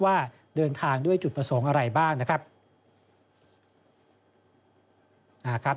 ว่าเดินทางด้วยจุดประสงค์อะไรบ้างนะครับ